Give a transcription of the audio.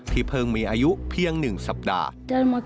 ที่เพิ่งมีอายุเพียงหนึ่งสัปดาห์